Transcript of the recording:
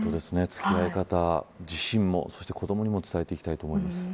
付き合い方自身も子どもにも伝えてきたいと思います。